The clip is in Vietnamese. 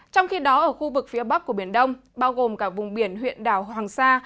trong khi đó ở khu vực phía bắc của biển đông bao gồm cả vùng biển huyện đảo hoàng sa